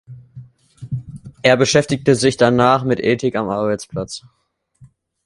Er beschäftigte sich danach mit Ethik am Arbeitsplatz.